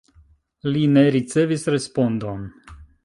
Li ne ricevis respondon.